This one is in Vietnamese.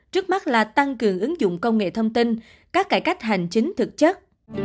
trước mắt là tăng cường ứng dụng công nghệ thông tin các cải cách hành chính thực chất